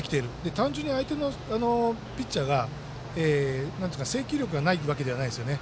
単純に相手のピッチャーが制球力がないわけではないんですよね。